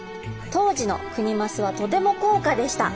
当時のクニマスはとても高価でした。